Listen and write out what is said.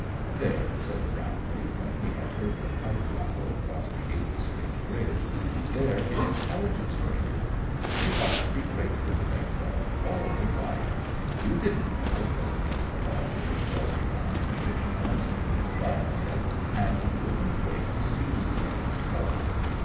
"There!" said Brownlee, when we had heard the pipe rattle across the Eighth Street bridge "there is intelligence for you! You ought to be grateful to that dog all your life. You didn't know it was against the law to discharge a gun in the city limits, but Fluff did, and he wouldn't wait to see you get into trouble.